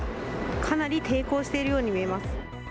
かなり抵抗しているように見えます。